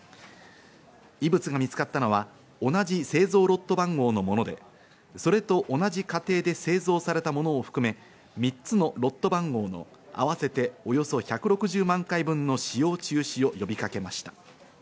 異物が見つかったのは同じ製造ロット番号のもので、それと同じ過程で製造されたものを含め、３つのロット番号のあわせておよそ１６０万回分の使用中止を呼びかけました。